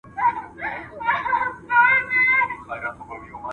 کندهار د افغانستان زړه دئ او موږ ټولو ته ګران دئ ځکه دریمنمیتلیملتمیتلمیتلیت